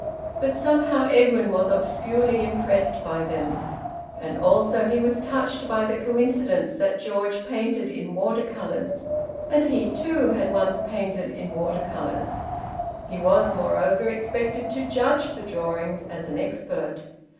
But somehow Edwin was obscurely impressed by them, and also he was touched by the coincidence that George painted in water colours, and he, too, had once painted in water colours. He was moreover expected to judge the drawings as an expert.